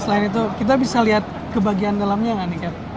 selain itu kita bisa lihat ke bagian dalamnya nggak nih cap